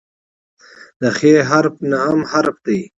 د "خ" حرف نهم حرف دی.